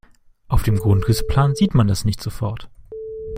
Auf dem Grundrissplan sieht man das nicht sofort.